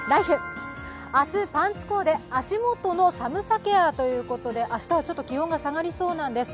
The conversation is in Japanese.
明日、パンツコーデ、足元の寒さケアということで、明日はちょっと気温が下がりそうなんです。